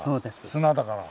砂だから。